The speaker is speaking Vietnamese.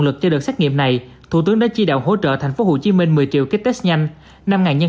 lực cho đợt xét nghiệm này thủ tướng đã chi đạo hỗ trợ tp hcm một mươi triệu kit test nhanh năm nhân